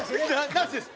なしです。